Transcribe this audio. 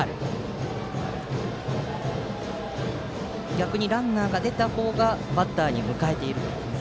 逆にランナーが出た方がバッターに向かえていると。